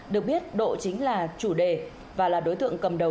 được biết độ chính là chủ đề và là đối tượng cầm đầu